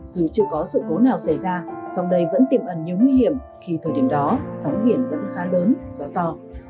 dù chưa có sự cố nào xảy ra sông đầy vẫn tiềm ẩn như nguy hiểm khi thời điểm đó sóng biển vẫn khá lớn gió to